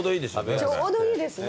ちょうどいいですね。